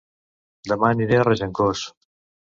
Dema aniré a Regencós